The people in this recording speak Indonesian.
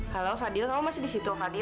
halo fadil kamu masih disitu fadil